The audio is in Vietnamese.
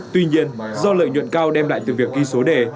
tuy nhiên do lợi nhuận cao đem lại từ việc ghi số đề